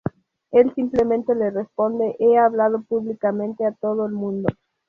Él simplemente le responde: “He hablado públicamente a todo el mundo.